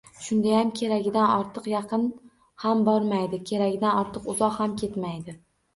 Shundayam keragidan ortiq yaqin ham bormaydi, keragidan ortiq uzoq ham ketmaydi?